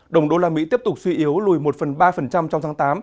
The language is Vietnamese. đồng đô la mỹ tiếp tục suy yếu lùi một phần ba trong tháng tám